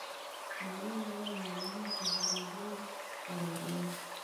mwalimu nyerere aliamua kujihudhuru kwa hiari yake